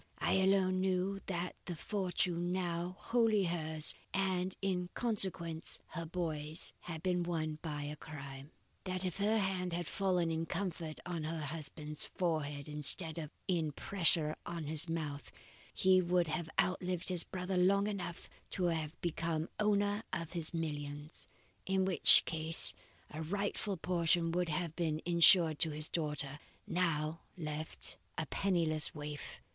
I alone knew that the fortune now wholly hers, and in consequence her boy's, had been won by a crime. That if her hand had fallen in comfort on her husband's forehead instead of in pressure on his mouth, he would have outlived his brother long enough to have become owner of his millions; in which case a rightful portion would have been insured to his daughter, now left a penniless waif.